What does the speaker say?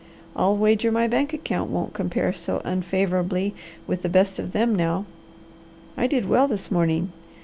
I'll wager my bank account won't compare so unfavourably with the best of them now. I did well this morning.